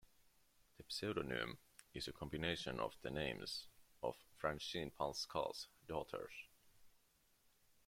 The pseudonym is a combination of the names of Francine Pascal's daughters.